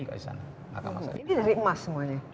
ini dari emas semuanya